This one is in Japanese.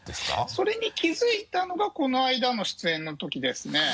それに気づいたのがこの間の出演の時ですね。